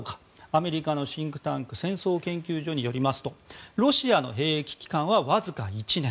アメリカのシンクタンク戦争研究所によりますとロシアの兵役期間はわずか１年。